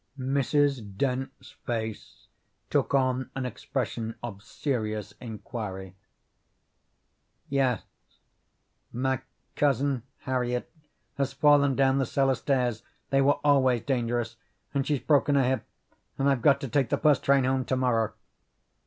Mrs. Dent's face took on an expression of serious inquiry. "Yes, my Cousin Harriet has fallen down the cellar stairs they were always dangerous and she's broken her hip, and I've got to take the first train home to morrow."